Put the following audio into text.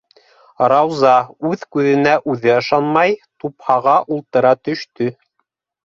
- Рауза, үҙ күҙенә үҙе ышанмай, тупһаға ултыра төштө.